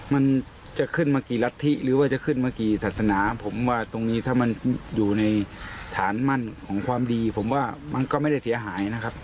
มันจะขึ้นมากี่รัฐธิหรือว่าจะขึ้นมากี่ศาสนาผมว่าตรงนี้ถ้ามันอยู่ในฐานมั่นของความดีผมว่ามันก็ไม่ได้เสียหายนะครับ